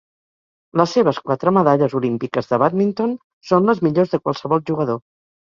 Les seves quatre medalles olímpiques de bàdminton són les millors de qualsevol jugador.